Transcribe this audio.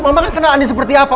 mama kan kenal andi seperti apa